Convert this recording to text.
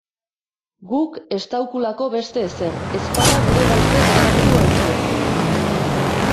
Guk estaukulako beste ezer, ezpada gure gauzek esateko erie.